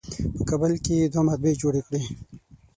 په کابل کې یې دوه مطبعې جوړې کړې.